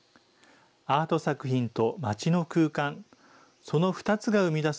アート作品と町の空間、その２つが生み出す